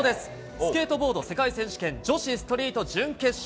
スケートボード世界選手権、女子ストリート準決勝。